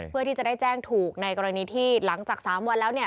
เพื่อที่จะได้แจ้งถูกในกรณีที่หลังจาก๓วันแล้วเนี่ย